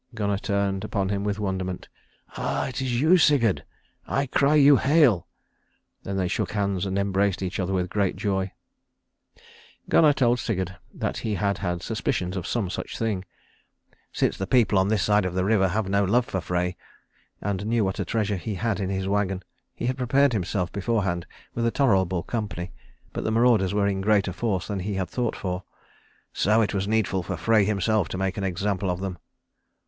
Gunnar turned upon him in wonderment. "Ah, it is you, Sigurd! I cry you hail!" Then they shook hands and embraced each other with great joy. Gunnar told Sigurd that he had had suspicions of some such thing, "since the people on this side of the river have no love for Frey," and knew what a treasure he had in his wagon. He had prepared himself beforehand with a tolerable company; but the marauders were in greater force than he had thought for. "So it was needful for Frey himself to make an example of them."